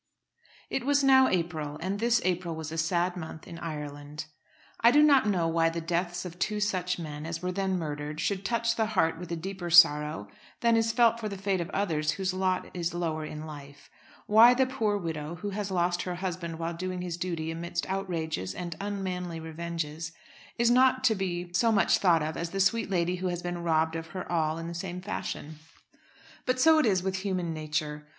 It was now April, and this April was a sad month in Ireland. I do not know why the deaths of two such men as were then murdered should touch the heart with a deeper sorrow than is felt for the fate of others whose lot is lower in life; why the poor widow, who has lost her husband while doing his duty amidst outrages and unmanly revenges, is not to be so much thought of as the sweet lady who has been robbed of her all in the same fashion. But so it is with human nature.